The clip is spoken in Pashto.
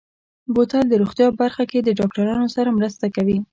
بوتل د روغتیا برخه کې د ډاکترانو سره مرسته کوي.